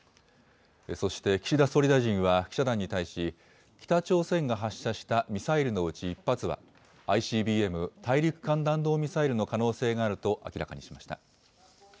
そして、岸田総理大臣は記者団に対し、北朝鮮が発射したミサイルのうち１発は、ＩＣＢＭ・大陸間弾道ミサイルの可能性があると明らかにしました。